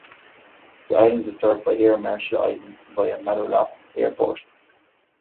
The island is served by Air Marshall Islands via Maloelap Airport.